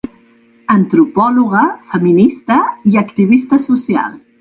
Antropòloga, feminista i activista social.